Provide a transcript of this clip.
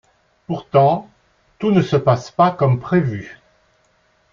Pourtant tout ne se passe pas comme prévu.